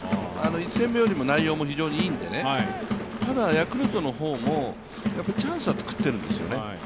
１戦目よりも内容も非常にいいんで、ヤクルトの方もチャンスは作っているんですよね。